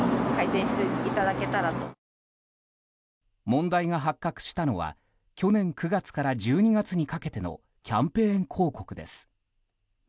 問題が発覚したのは去年９月から１２月にかけてのキャンペーン広告です。